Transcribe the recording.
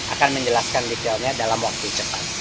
akan menjelaskan detailnya dalam waktu cepat